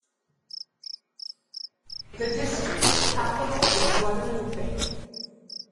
The district capital is Guadalupe.